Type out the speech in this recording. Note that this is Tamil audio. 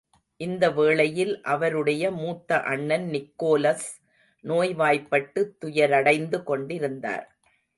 இந்த வேளையில் அவருடைய மூத்த அண்ணன் நிக்கோலஸ் நோய்வாய்பட்டு துயரடைந்து கொண்டிருந்தார்.